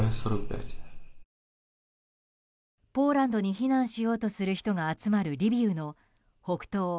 ポーランドに避難しようとする人が集まるリビウの北東